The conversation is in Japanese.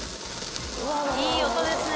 いい音ですね。